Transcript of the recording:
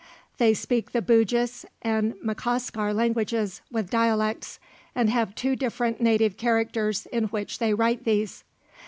They speak the Bugis and Macassar languages, with dialects, and have two different native characters in which they write these.